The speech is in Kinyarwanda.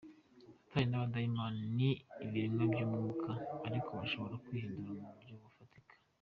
Satani n’abadayimoni ni ibiremwa by’umwuka ariko bashobora kwihindura mu buryo bufatika.